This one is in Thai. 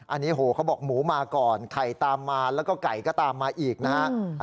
อันนี้โหเขาบอกหมูมาก่อนไข่ตามมาแล้วก็ไก่ก็ตามมาอีกนะฮะ